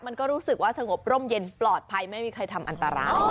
มันก็รู้สึกว่าสงบร่มเย็นปลอดภัยไม่มีใครทำอันตราย